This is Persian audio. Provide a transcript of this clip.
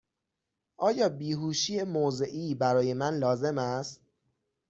آیا بیهوشی موضعی برای من لازم است؟